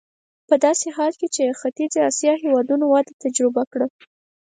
په داسې حال کې چې د ختیځې اسیا هېوادونو وده تجربه کړه.